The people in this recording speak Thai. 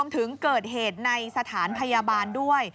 ถึงเกิดเหตุในสถานพยาบาลด้วย